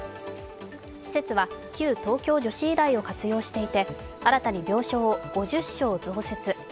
施設は旧東京女子医大を活用していて新たに病床を５０床増設。